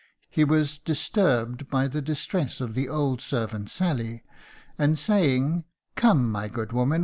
He was "disturbed" by the distress of the old servant Sally, and saying, "Come, my good woman!